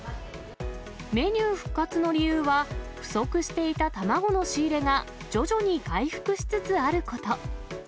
メニュー復活の理由は、不足していた卵の仕入れが徐々に回復しつつあること。